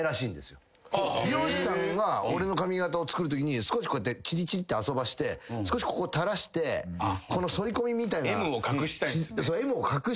美容師さんは俺の髪形を作るときに少しこうやってチリチリって遊ばせて少しここ垂らしてこのそり込みみたいな。